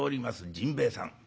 甚兵衛さん。